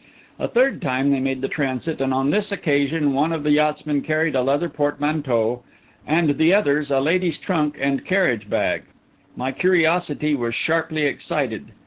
A third time they made the transit; and on this occasion one of the yachtsmen carried a leather portmanteau, and the others a lady's trunk and carriage bag. My curiosity was sharply excited.